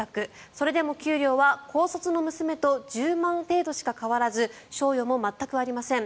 それでも給料は、高卒の娘と１０万程度しか変わらず賞与も全くありません。